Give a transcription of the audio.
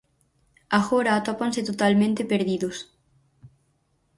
Agora atópanse totalmente perdidos.